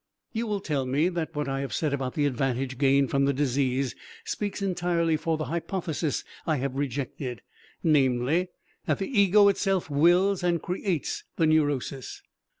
You will tell me that what I have said about the advantage gained from the disease speaks entirely for the hypothesis I have rejected, namely, that the ego itself wills and creates the neurosis.